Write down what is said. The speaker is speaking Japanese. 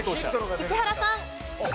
石原さん。